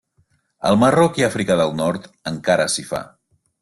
Al Marroc i Àfrica del Nord encara s'hi fa.